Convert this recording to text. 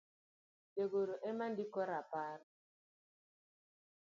jagoro ema ndiko rapar